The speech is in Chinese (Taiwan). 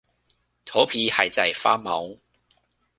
頭皮還在發毛